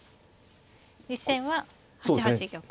実戦は８八玉と。